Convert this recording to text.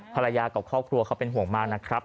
ภรรยากับครอบครัวเขาเป็นห่วงมากนะครับ